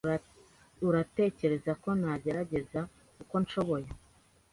Uratekereza ko ntagerageza uko nshoboye?